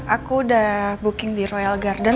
aku udah booking di royal garden